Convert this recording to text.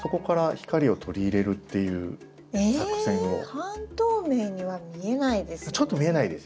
半透明には見えないです。